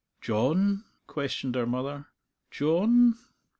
"John?" questioned her mother "John?...